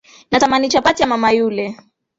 Natamani chapati ya mama yule